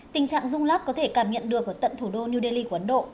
tình trạng rung lắc có thể cảm nhận được ở tận thủ đô new delhi của ấn độ